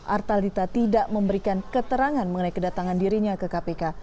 artalita tidak memberikan keterangan mengenai kedatangan dirinya ke kpk